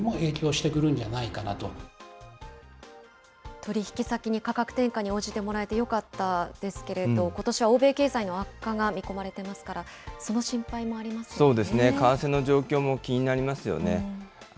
取り引き先に価格転嫁に応じてもらえてよかったですけれども、ことしは欧米経済の悪化が見込まれてますから、その心配もありまそうですね、為替の状況も気になりますよね。